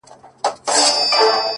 په ښکارپورۍ سترگو کي; راته گلاب راکه;